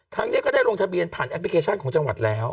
นี้ก็ได้ลงทะเบียนผ่านแอปพลิเคชันของจังหวัดแล้ว